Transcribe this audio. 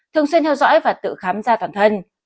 thường xuyên theo dõi và tự khám ra toàn thân